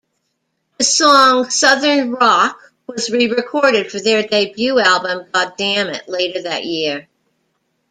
The song "Southern Rock" was re-recorded for their debut album "Goddamnit" later that year.